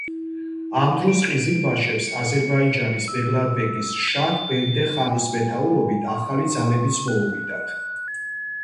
ამ დროს ყიზილბაშებს აზერბაიჯანის ბეგლარბეგის შაჰ-ბენდე-ხანის მეთაურობით ახალი ძალებიც მოუვიდათ.